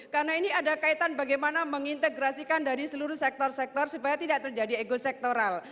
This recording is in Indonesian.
karena ini ada kaitan bagaimana mengintegrasikan dari seluruh sektor sektor supaya tidak terjadi ego sektoral